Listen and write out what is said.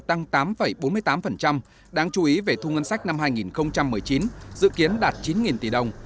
tăng tám bốn mươi tám đáng chú ý về thu ngân sách năm hai nghìn một mươi chín dự kiến đạt chín tỷ đồng